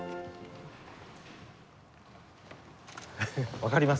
分かります？